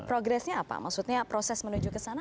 progresnya apa maksudnya proses menuju ke sana